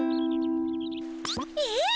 えっ？